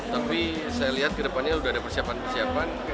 tapi saya lihat ke depannya sudah ada persiapan persiapan